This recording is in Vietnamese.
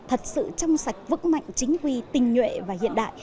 thật sự trong sạch vững mạnh chính quy tình nhuệ và hiện đại